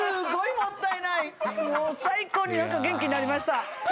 もう最高に元気になりました。